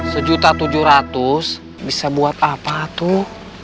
sejuta tujuh ratus bisa buat apa tuh